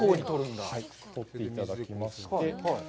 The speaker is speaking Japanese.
取っていただきまして。